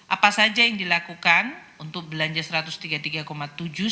apa saja yang dilakukan untuk belanja rp satu ratus tiga puluh tiga tujuh juta